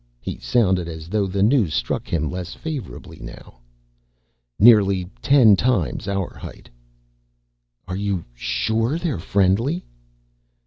He sounded as though the news struck him less favorably now. "Nearly ten times our height." "Are you sure they are friendly?"